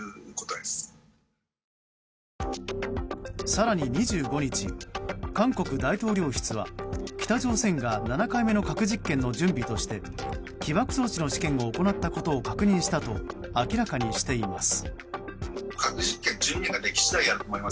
更に２５日、韓国大統領室は北朝鮮が７回目の核実験の準備として起爆装置の試験を行ったことを確認したと明らかにしています。